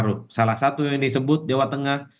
yang kedua adalah jokowi yang terkenal di jawa tengah